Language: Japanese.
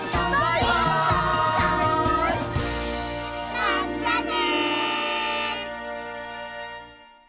まったね！